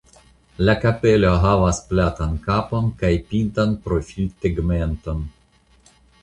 La kapelo havas platan kapon kaj pintan profiltegmenton.